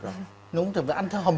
nó không thể phải ăn theo hầm